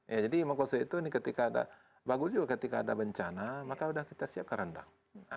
ya jadi mengkonsum itu ini ketika ada bagus juga ketika ada bencana maka sudah kita siapkan rendang